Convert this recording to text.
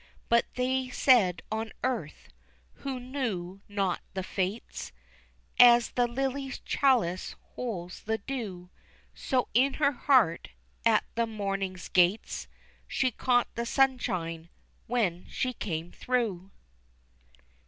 But they said on earth (who knew not the Fates) "As the lily's chalice holds the dew, So in her heart, at the morning's gates, She caught the sunshine, when she came through."